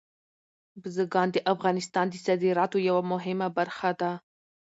بزګان د افغانستان د صادراتو یوه مهمه برخه ده.